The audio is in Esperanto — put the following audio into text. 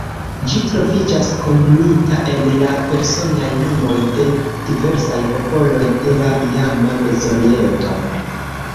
Ĝi troviĝas kombinita en la personaj nomoj de diversaj popoloj de la iama Mezoriento.